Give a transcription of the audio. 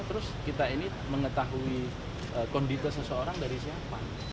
terus kita ini mengetahui kondisi seseorang dari siapa